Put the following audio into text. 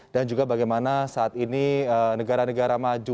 dan juga bagaimana saat ini negara negara maju